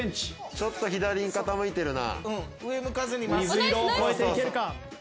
ちょっと右になってるな。